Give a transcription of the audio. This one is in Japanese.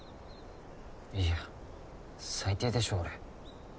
いや最低でしょ俺。